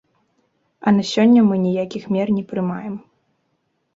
А на сёння мы ніякіх мер не прымаем.